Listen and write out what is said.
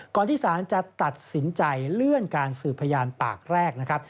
ที่ศาลจะตัดสินใจเลื่อนการสืบพยานปากแรกนะครับ